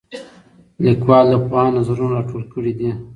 لیکوال د پوهانو نظرونه راټول کړي دي.